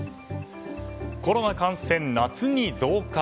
コロナ感染、夏に増加。